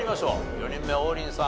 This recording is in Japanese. ４人目王林さん